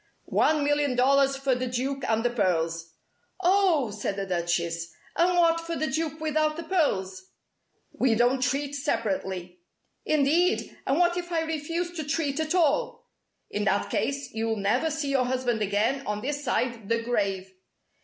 "One million dollars for the Duke and the pearls." "Oh!" said the Duchess. "And what for the Duke without the pearls?" "We don't treat separately." "Indeed! And what if I refuse to treat at all?" "In that case, you'll never see your husband again on this side the grave."